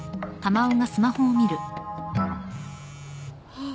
あっ。